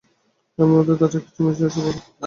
লাভের মধ্যে দাতার কিছু মিছে খরচ বাড়িয়া যায়।